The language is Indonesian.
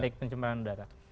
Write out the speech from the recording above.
indeks pencemaran udara